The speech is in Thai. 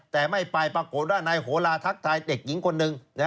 แต่ไม่ไปปรากฏว่านายโหลาทักทายเด็กหญิงคนหนึ่ง